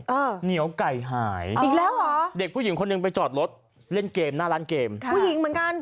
เออเหนียวไก่หายอีกแล้วเหรอเด็กผู้หญิงคนหนึ่งไปจอดรถเล่นเกมหน้าร้านเกมค่ะผู้หญิงเหมือนกัน